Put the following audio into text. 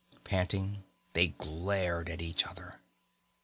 Panting, they glared at each other.